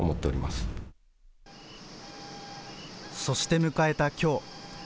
そして迎えたきょう。